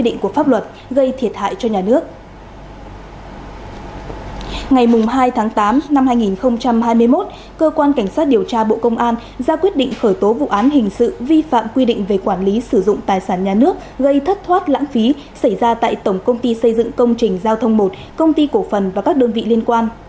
ngày hai tháng tám năm hai nghìn hai mươi một cơ quan cảnh sát điều tra bộ công an ra quyết định khởi tố vụ án hình sự vi phạm quy định về quản lý sử dụng tài sản nhà nước gây thất thoát lãng phí xảy ra tại tổng công ty xây dựng công trình giao thông một công ty cổ phần và các đơn vị liên quan